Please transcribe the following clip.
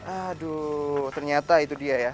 aduh ternyata itu dia ya